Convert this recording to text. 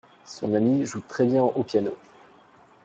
Son amie joue très bien au piano.